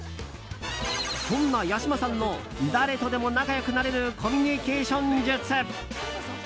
そんな八嶋さんの誰とでも仲良くなれるコミュニケーション術。